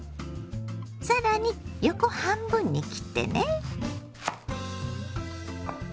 更に横半分に切ってね。